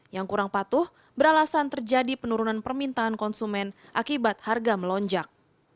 yang kurang patuh beralasan terjadi penurunan permintaan konsumen akibat harga melonjak